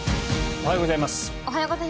おはようございます。